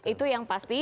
itu yang pasti